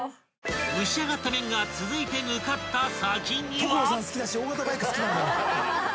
［蒸し上がった麺が続いて向かった先には］